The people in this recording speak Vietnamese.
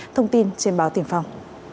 thông tin trên báo tiền phòng